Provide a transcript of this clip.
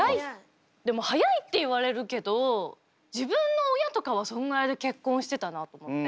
でも早いって言われるけど自分の親とかはそんぐらいで結婚してたなと思って。